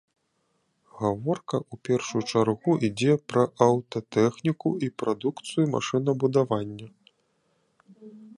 Гаворка ў першую чаргу ідзе пра аўтатэхніку і прадукцыю машынабудавання.